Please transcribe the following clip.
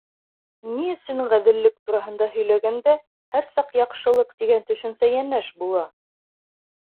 Ни өсөн ғәҙеллек тураһында һөйләгәндә, һәр саҡ яҡшылыҡ тигән төшөнсә йәнәш була?